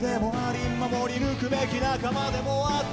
「守り抜くべき仲間でもあって」